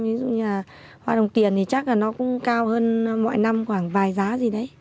ví dụ như là hoa đồng tiền thì chắc là nó cũng cao hơn mọi năm khoảng vài giá gì đấy